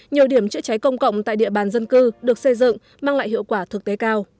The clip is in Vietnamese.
nhiều điểm chữa cháy công cộng tại địa bàn dân cư được xây dựng mang lại hiệu quả thực tế cao